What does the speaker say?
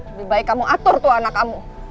lebih baik kamu atur tuh anak kamu